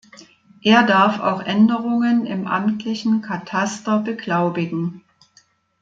Er darf auch Änderungen im amtlichen Kataster beglaubigen.